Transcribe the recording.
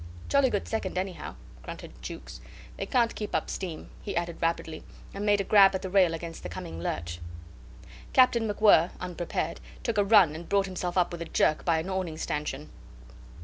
"Jolly good second, anyhow," grunted Jukes. "They can't keep up steam," he added, rapidly, and made a grab at the rail against the coming lurch. Captain MacWhirr, unprepared, took a run and brought himself up with a jerk by an awning stanchion.